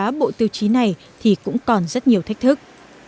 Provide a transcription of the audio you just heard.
tương ứng với tiêu chí này thì cũng còn rất nhiều thách thức